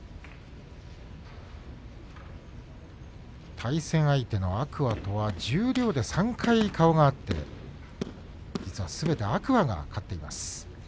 対戦相手の天空海とは十両で３回顔が合って実はすべて天空海が勝っています。